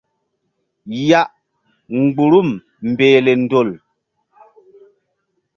Ya mgbuhrum mbehle ndol.